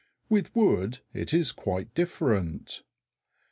With wood it is quite different.